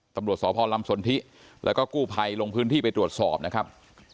ตำรวจสพลำสนทิแล้วก็กู้ภัยลงพื้นที่ไปตรวจสอบนะครับ